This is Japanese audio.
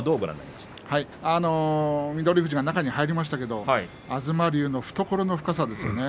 富士が中に入りましたけれども東龍の懐の深さですよね。